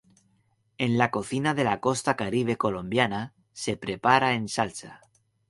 En la cocina de la Costa Caribe colombiana, se prepara en salsa.